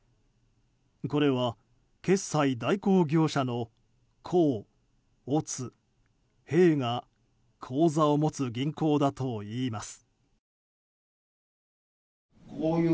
これは決済代行業者の甲・乙・丙が口座を持つ銀行だといいます。